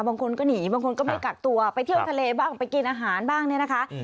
บางคนก็หนีบางคนก็ไม่กักตัวไปเที่ยวทะเลบ้างไปกินอาหารบ้างเนี่ยนะคะ